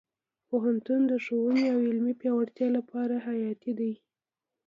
پوهنتون د ښوونې او علمي پیاوړتیا لپاره حیاتي دی.